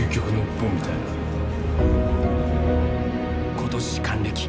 今年還暦。